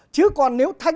chứ còn nếu thánh